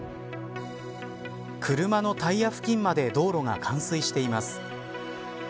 車のタイヤ付近まで道路が冠水しています。